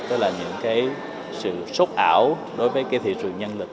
tức là những cái sự sốc ảo đối với cái thị trường nhân lực